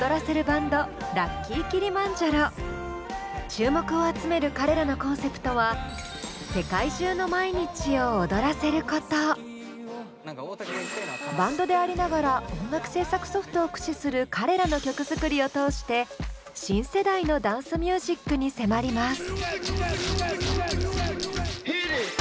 注目を集める彼らのコンセプトはバンドでありながら音楽制作ソフトを駆使する彼らの曲作りを通して新世代のダンスミュージックに迫ります。